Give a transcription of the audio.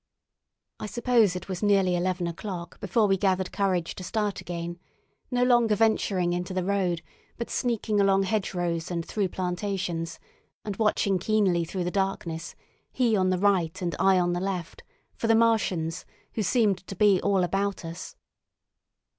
I suppose it was nearly eleven o'clock before we gathered courage to start again, no longer venturing into the road, but sneaking along hedgerows and through plantations, and watching keenly through the darkness, he on the right and I on the left, for the Martians, who seemed to be all about us.